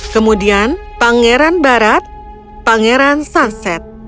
kemudian pangeran barat pangeran sunset